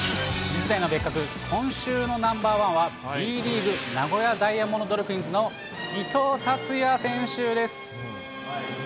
水谷のベッカク、今週のナンバー１はＢリーグ・名古屋ダイヤモンドドルフィンズの伊藤達哉選手です。